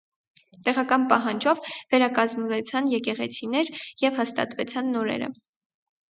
Տեղական պահանջով՝ վերակազմուեցան եկեղեցիներ եւ հաստատուեցան նորերը։